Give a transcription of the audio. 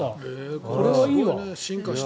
これはいいわ。